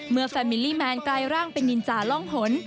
แฟนมิลลี่แมนกลายร่างเป็นนินจาร่องหน